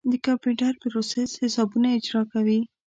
د کمپیوټر پروسیسر حسابونه اجرا کوي.